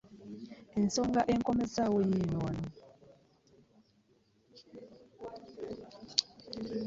Ensonga enkomezzaawo yiino wano.